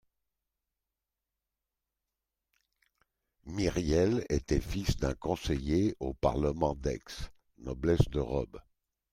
Myriel était fils d'un conseiller au parlement d'Aix, noblesse de robe